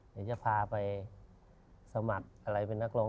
เดี๋ยวจะพาไปสมัครอะไรเป็นนักร้อง